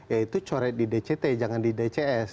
yaitu coret di dct jangan di dcs